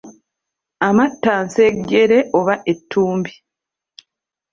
Amattansejjere oba ettumbi.